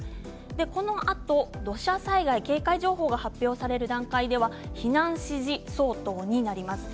このあと土砂災害警戒情報が発表される段階では避難指示相当になります。